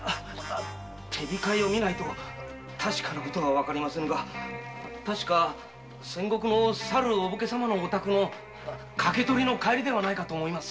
手控えを見ないと確かなことはわかりませんが千石のさるお武家様のお宅の掛け取りの帰りではないかと。